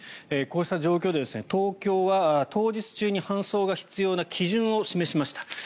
こうした状況で東京は当日中に搬送が必要な基準を示しました。